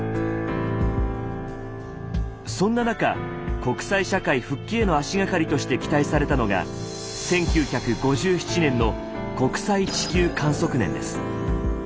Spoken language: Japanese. そんな中国際社会復帰への足がかりとして期待されたのが１９５７年の国際地球観測年です。